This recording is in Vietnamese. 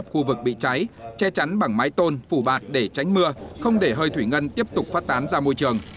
khu vực bị cháy che chắn bằng mái tôn phủ bạt để tránh mưa không để hơi thủy ngân tiếp tục phát tán ra môi trường